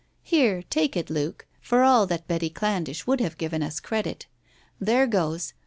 "Here, take it, Luke. For all that Betty Candlish would have given us credit. There goes